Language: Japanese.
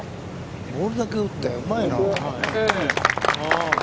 ボールだけ打って、うまいな。